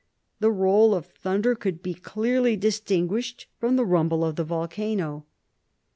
The roll of thunder could be clearly distinguished from the rumble of the volcano.